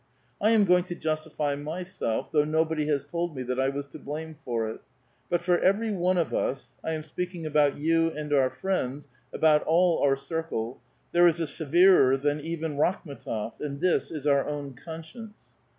I am going to justify myself, though nobody has told me that I was to blame for it. But for everv one of us — I am speaking about you and our friends, about all our circle — there is a severer than even Rakhm^tof, and this is our own conscience.